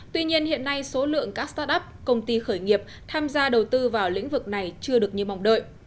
tuy nhiên hiện nay số lượng các start up công ty khởi nghiệp tham gia đầu tư vào lĩnh vực này chưa được như mong đợi